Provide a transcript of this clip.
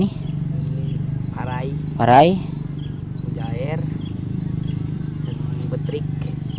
ikan sepat parai bujair petrik